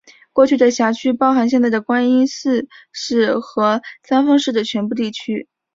过去的辖区包含现在的观音寺市和三丰市的全部地区。